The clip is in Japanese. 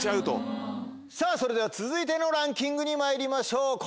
それでは続いてのランキングにまいりましょう。